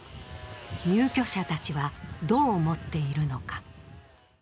入居者たちはどう思っているのか。